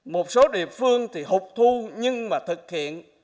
một số địa phương thì hụt thu nhưng mà thực hiện